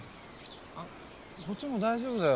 あっこっちも大丈夫だよ。